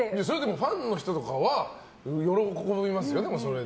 ファンの人とかは喜びますよ、それで。